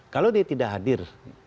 kalau dia tidak hadir